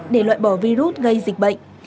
để loại bỏ virus gây dịch bệnh